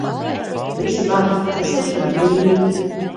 Viss labi, tas ir par brīvu.